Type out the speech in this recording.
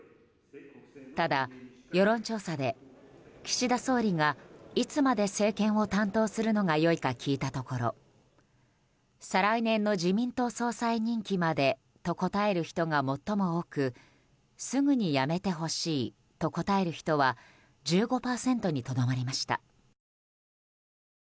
ただ、世論調査で岸田総理がいつまで政権を担当するのが良いか聞いたところ再来年の自民党総裁任期までと答える人が最も多くすぐに辞めてほしいと答える人は１５％にとどまりました。